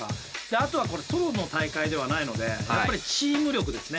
あとはこれソロの大会ではないのでやっぱりチーム力ですね。